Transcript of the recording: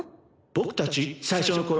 僕たち最初の頃